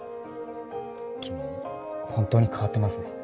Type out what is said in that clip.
君本当に変わってますね。